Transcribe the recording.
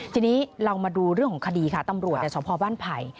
ทีนี้เรามาดูเรื่องของคดีค่ะตำรวจในสพบ้านไผ่